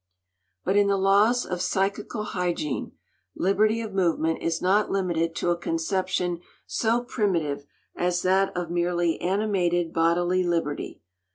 But in the laws of "psychical hygiene," "liberty of movement" is not limited to a conception so primitive as that of merely "animated bodily liberty."